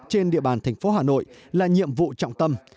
trên địa bàn tp hà nội là nhiệm vụ trọng tâm